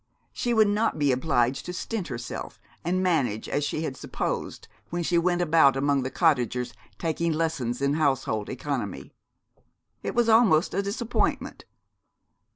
She would not be obliged to stint herself, and manage, as she had supposed when she went about among the cottagers, taking lessons in household economy. It was almost a disappointment.